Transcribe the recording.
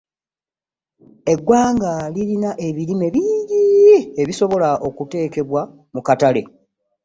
Eggwanga lirina ebirime bingi ebisobola okuteekebwa ku katale.